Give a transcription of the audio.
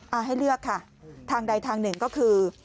เอาให้เลือกค่ะทางใดทางหนึ่งก็คือ